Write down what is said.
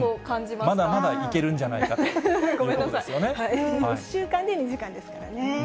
まだまだいけるんじゃないか１週間で２時間ですからね。